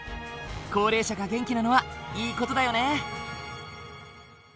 高齢者が元気なのはいい事だよね。